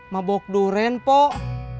mabok durian pok